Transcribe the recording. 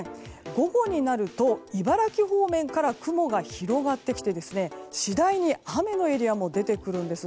午後になると、茨城方面から雲が広がってきて次第に雨のエリアも出てくるんです。